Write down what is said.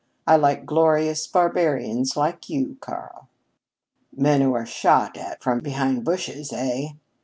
I like glorious barbarians like you, Karl." "Men who are shot at from behind bushes, eh?